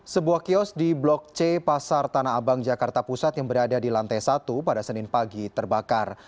sebuah kios di blok c pasar tanah abang jakarta pusat yang berada di lantai satu pada senin pagi terbakar